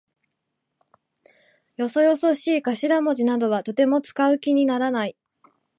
よそよそしい頭文字などはとても使う気にならない。